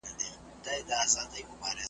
په پردي څټ کي سل سوکه څه دي .